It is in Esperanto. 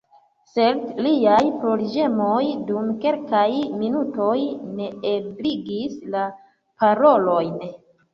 Sed liaj plorĝemoj dum kelkaj minutoj neebligis la parolojn.